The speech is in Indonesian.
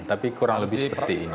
tapi kurang lebih seperti ini